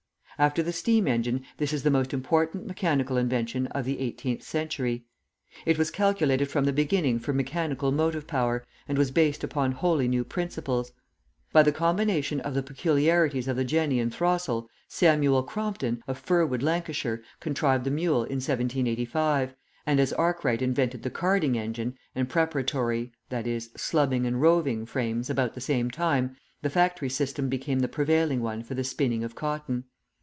After the steam engine, this is the most important mechanical invention of the 18th century. It was calculated from the beginning for mechanical motive power, and was based upon wholly new principles. By the combination of the peculiarities of the jenny and throstle, Samuel Crompton, of Firwood, Lancashire, contrived the mule in 1785, and as Arkwright invented the carding engine, and preparatory ("slubbing and roving") frames about the same time, the factory system became the prevailing one for the spinning of cotton.